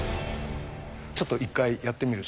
ちょっと一回やってみます。